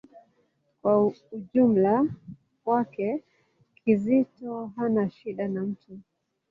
Kwa ujumla wake, Kizito hana shida na mtu.